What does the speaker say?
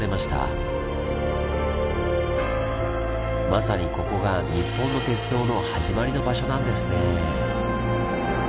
まさにここが日本の鉄道の始まりの場所なんですねぇ。